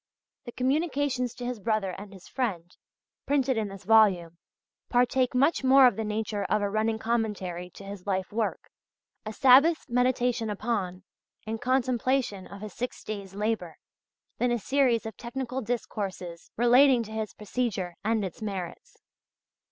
The communications to his brother and his friend, printed in this volume, partake much more of the nature of a running commentary to his life work, a Sabbath's meditation upon and contemplation of his six days' labour, than a series of technical discourses relating to his procedure and its merits.